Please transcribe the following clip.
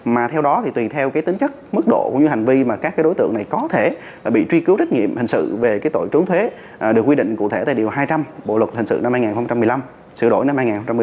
mà theo đó thì tùy theo cái tính chất mức độ cũng như hành vi mà các đối tượng này có thể bị truy cứu trách nhiệm hình sự về cái tội trốn thuế được quy định cụ thể tại điều hai trăm linh bộ luật hình sự năm hai nghìn một mươi năm sửa đổi năm hai nghìn một mươi bảy